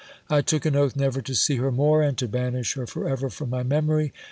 I took an oath never to see her more, and to banish SCIPWS STORY. 387 her for ever from my memory.